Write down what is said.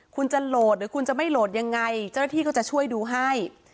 คุณจะโหลดหรือคุณจะไม่โหลดยังไงเจ้าหน้าที่ก็จะช่วยดูให้